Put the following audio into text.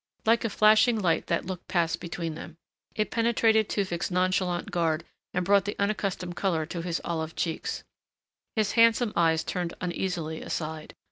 Like flashing light that look passed between them. It penetrated Tewfick's nonchalant guard and brought the unaccustomed color to his olive cheeks. His handsome eyes turned uneasily aside.